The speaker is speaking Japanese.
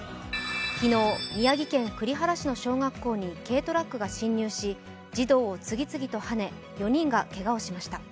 昨日、宮城県栗原市の小学校に軽トラックが進入し、児童を次々とはね、４人がけがをしました。